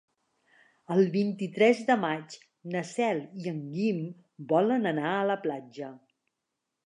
El vint-i-tres de maig na Cel i en Guim volen anar a la platja.